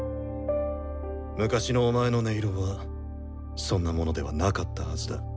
昔のお前の音色はそんなものではなかったはずだ。